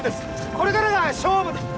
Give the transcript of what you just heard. これからが勝負うっ！